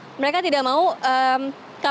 karena satu mereka tidak mau kpk menjadi terbuka